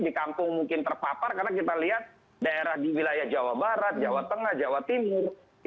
di kampung mungkin terpapar karena kita lihat daerah di wilayah jawa barat jawa tengah jawa timur